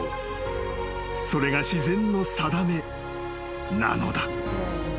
［それが自然の定めなのだ］